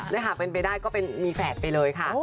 ถ้าหากเป็นไปได้ก็เป็นมีแฝดไปเลยค่ะ